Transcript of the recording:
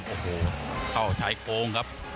โอ้โหเข้าชายโครงครับ